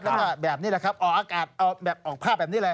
แล้วก็แบบนี้แหละครับออกอากาศแบบออกภาพแบบนี้เลย